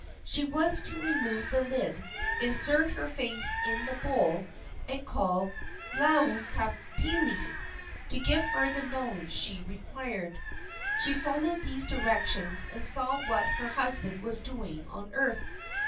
She was to remove the lid, insert her face in the bowl, and call "Laukapalili!" to give her the knowledge she required. She followed these directions and saw what her husband was doing on earth.